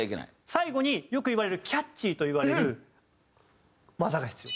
最後によくいわれるキャッチーといわれる技が必要。